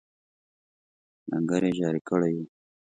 لنګر یې جاري کړی وو.